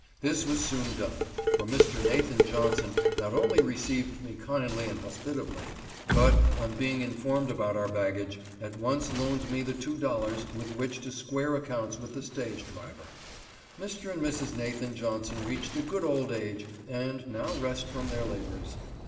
This was soon done, for Mr. Nathan Johnson not only received me kindly and hospitably, but, on being informed about our baggage, at once loaned me the two dollars with which to square accounts with the stage driver. Mr. and Mrs. Nathan Johnson reached a good old age, and now rest from their labors.